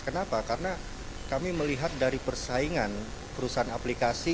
kenapa karena kami melihat dari persaingan perusahaan aplikasi